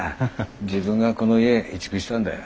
自分がこの家移築したんだよ。